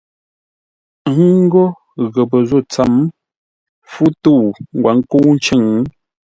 Ńgó ghəpə́ zô tsəm, fú tə̂u ngwǒ nkə̂u ncʉ̂ŋ.